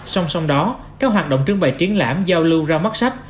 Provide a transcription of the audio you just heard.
song song đó các hoạt động trưng bày triển lãm giao lưu ra mắt sách